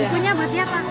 bukunya buat siapa